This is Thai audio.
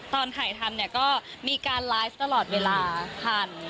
ตอนถ่ายทำไว้มีการไลฟ์ตลอดเวลาทรัง